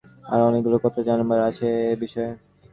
আরো অনেকগুলো কথা জানবার আছে এ বিষয়ে।